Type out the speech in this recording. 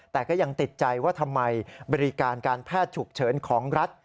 แต่ก็ยังติดใจว่าทำไมบริการการแพทย์ฉุกเฉินของรัฐ